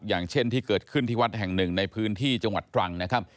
อย่างเช่นที่เกิดขึ้นที่วัดแห่งหนึ่งในพื้นที่จังหวัดตรังนะครับ